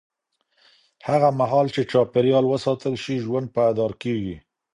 هغه مهال چې چاپېریال وساتل شي، ژوند پایدار کېږي.